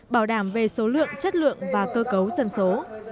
bảo đảm về số lượng chất lượng và cơ cấu dân số